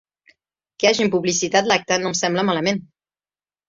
Que hagin publicitat l’acte no em sembla malament.